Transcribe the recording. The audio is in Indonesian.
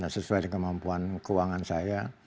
sesuai dengan kemampuan keuangan saya